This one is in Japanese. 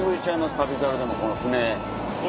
『旅猿』でもこの船。